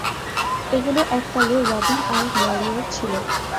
এগুলো এককালে রবিন আর লরি এর ছিল।